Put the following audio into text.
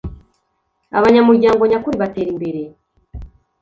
abanyamuryango nyakuri batera imbere